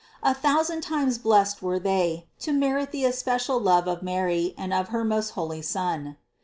A thousand times blessed were they, to merit the especial love of Mary and of her most holy Son.